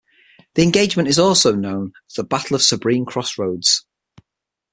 The engagement is also known as the Battle of Sabine Crossroads.